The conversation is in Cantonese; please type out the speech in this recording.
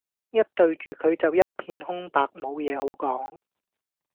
一對住佢就一片空白無嘢好講